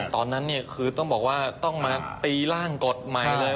ตอนนั้นเนี่ยคือต้องบอกว่าต้องมาตีร่างกฎใหม่เลย